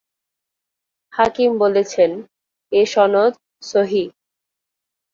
হাকিম বলেছেন, এর সনদ সহীহ।